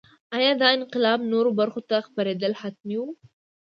ایا دا انقلاب نورو برخو ته خپرېدل حتمي وو.